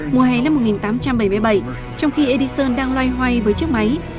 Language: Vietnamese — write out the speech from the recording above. mùa hè năm một nghìn tám trăm bảy mươi bảy trong khi edison đang loay hoay với chiếc máy